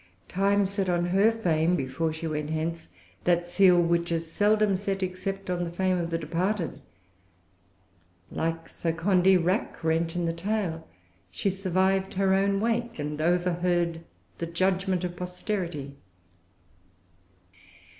Time set on her fame, before she went hence, that seal which is seldom set except on the fame of the departed. Like Sir Condy Rackrent in the tale, she survived her own wake, and overheard the judgment of posterity.